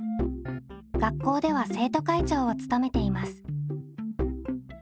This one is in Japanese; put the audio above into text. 学校では生徒会長を務めています。